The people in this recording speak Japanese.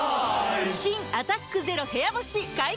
新「アタックＺＥＲＯ部屋干し」解禁‼